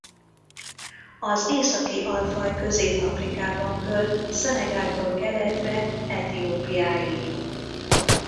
Az északi alfaj Közép-Afrikában költ Szenegáltól keletre Etiópiáig.